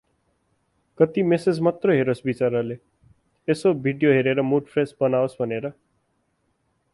कति मेसेज मात्रै हेरोस बिचराले, यसो भिडियो हेरेर मुड फ्रेश बनावोस भनेर ।